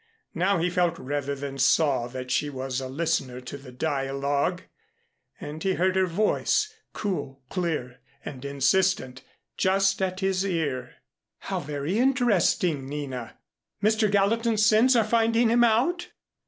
Now he felt rather than saw that she was a listener to the dialogue, and he heard her voice cool, clear, and insistent, just at his ear: "How very interesting, Nina! Mr. Gallatin's sins are finding him out?"